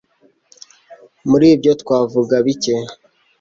Muri ibyo twavuga bicye